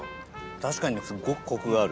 確かにすごくコクがある。